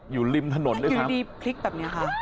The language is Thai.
อยู่ริมถนนด้วยครับ